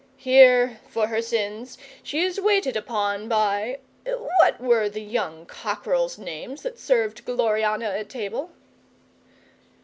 Here for her sins she is waited upon by What were the young cockerels' names that served Gloriana at table?